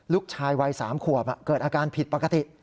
ลูกชายวัย๓ขวบเกิดอาการผิดปกติ